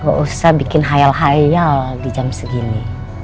gak usah bikin hayal hayal di jam segini